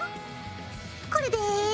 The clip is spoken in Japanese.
これで。